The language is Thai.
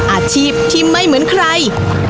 อาชีพที่ไม่เหมือนใคร